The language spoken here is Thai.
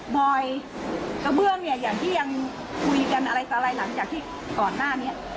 บอยกระเบื้องเนี่ยอย่างที่ยังคุยกันอะไรต่ออะไรหลังจากที่ก่อนหน้านี้